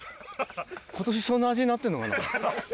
今年そんな味になってるのかな。